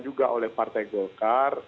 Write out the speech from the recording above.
juga oleh partai golkar